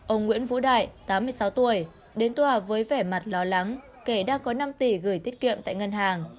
ông nguyễn vũ đại tám mươi sáu tuổi đến tòa với vẻ mặt lo lắng kể đã có năm tỷ gửi tiết kiệm tại ngân hàng